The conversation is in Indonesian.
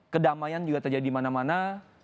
kedamaian juga terjadi mana mana